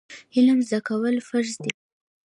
علم زده کول فرض دي